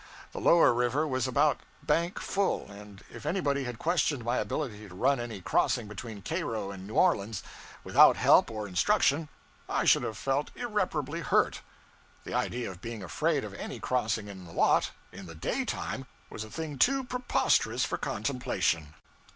The lower river was about bank full, and if anybody had questioned my ability to run any crossing between Cairo and New Orleans without help or instruction, I should have felt irreparably hurt. The idea of being afraid of any crossing in the lot, in the day time, was a thing too preposterous for contemplation.